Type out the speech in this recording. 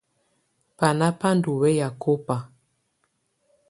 Bana ba ndù wɛya kɔba.